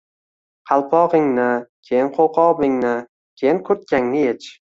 “Qalpog‘ingni, keyin qo‘lqopingni, keyin kurtkangni yech”.